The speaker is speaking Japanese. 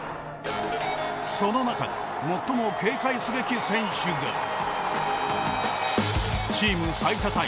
その中で最も警戒すべき選手がチーム最多